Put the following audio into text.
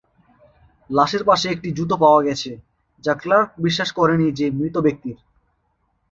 লাশের পাশে একটি জুতো পাওয়া গেছে, যা ক্লার্ক বিশ্বাস করেন নি যে মৃত ব্যক্তির।